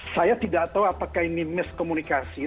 saya tidak tahu apakah ini miskomunikasi